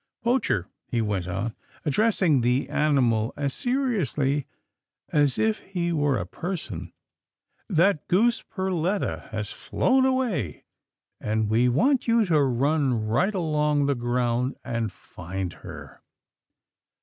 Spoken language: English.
Poacher," he went on, addressing the animal as seriously as if he were a person, " that goose Perletta has flown away, and we want you to run right along the ground and find her."